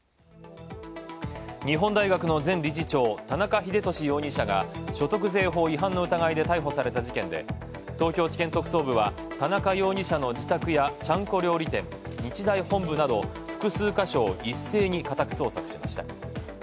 日本大学の前理事長、田中英寿容疑者が所得税法違反の疑いで逮捕された事件で、東京地検特捜部は、田中容疑者の自宅やちゃんこ料理店、日大本部など複数箇所を一斉に家宅捜索しました。